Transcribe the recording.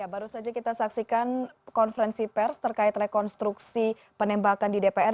baru saja kita saksikan konferensi pers terkait rekonstruksi penembakan di dpr